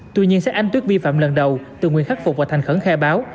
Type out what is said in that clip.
tuy nhiên xét ánh tuyết vi phạm lần đầu từ nguyên khắc phục và thành khẩn khe báo